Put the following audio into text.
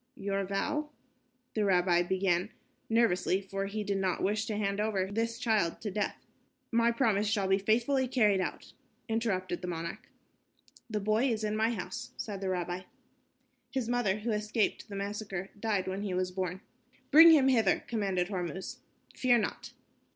"Your vow...." the rabbi began, nervously, for he did not wish to hand over this child to death. "My promise shall be faithfully carried out," interrupted the monarch. "The boy is in my house," said the rabbi. "His mother, who escaped the massacre, died when he was born." "Bring him hither," commanded Hormuz. "Fear not."